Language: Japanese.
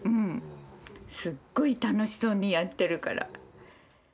すっごい楽しそうにやってるから。